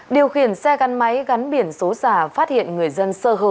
điều khiển xe gắn máy gắn biển số giả phát hiện người dân sơ hở